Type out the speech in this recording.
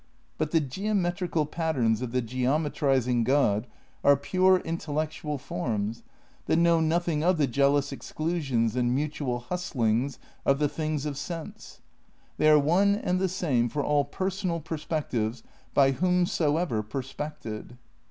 But tbe geo metrical patterns of tbe geometrizing God are pure intellectual forms tbat know notbing of tbe jealous exclusions and mutual bustlings of tbe tbings of sense. Tbey are one and tbe same for all personal perspec tives by whomsoever perspected.